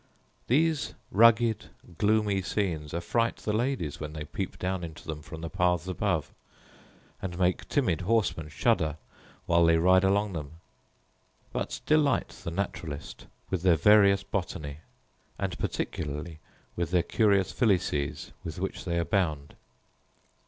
These rugged gloomy scenes affright the ladies when they peep down into them from the paths above, and make timid horsemen shudder while they ride along them; but delight the naturalist with their various botany, and particularly with their curious filices with which they abound.